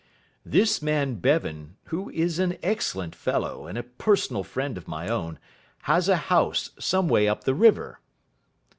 "This man Bevan, who is an excellent fellow and a personal friend of my own, has a house some way up the river."